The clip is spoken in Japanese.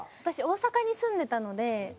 私大阪に住んでたので。